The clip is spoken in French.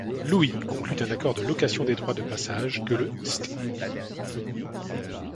Louis conclut un accord de location des droits de passage que le St.